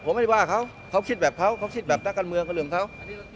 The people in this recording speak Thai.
ผมไม่ได้ว่าเขาเขาคิดแบบเขาเขาคิดแบบนักการเมืองก็เรื่องเขา